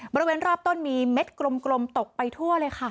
บริเวณรอบต้นมีเม็ดกลมตกไปทั่วเลยค่ะ